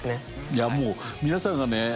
いやもう皆さんがね